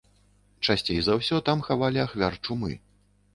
Часцей за ўсё там хавалі ахвяр чумы.